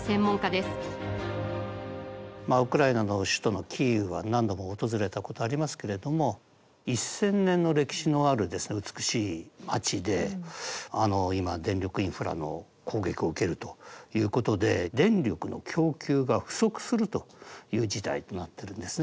ウクライナの首都のキーウは何度も訪れたことありますけれども１，０００年の歴史のある美しい街で今電力インフラの攻撃を受けるということで電力の供給が不足するという事態となってるんですね。